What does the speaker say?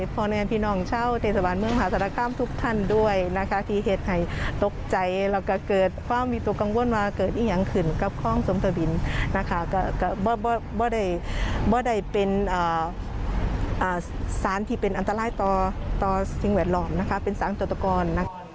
เป็นอันตรายต่อสิ่งแหวดลอมเป็นสารตกตะกร